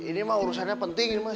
ini mah urusannya penting ini mas